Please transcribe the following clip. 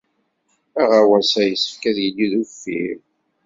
Aɣawas-a yessefk ad yili d uffir.